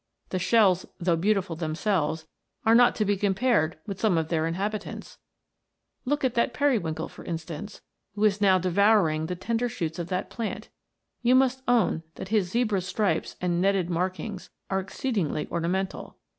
The shells, though beautiful themselves, are not to be compared with some of their inhabitants. Look at that periwinkle, for instance, who is now devouring the tender shoots of that plant, you must own that his zebra stripes and netted markings are exceedingly orna mental.